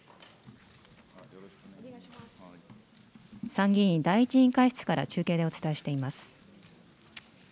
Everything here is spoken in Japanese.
参議院第１委員会室から中継でお伝えしています。